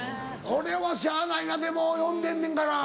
これはしゃあないなでも呼んでんねんから。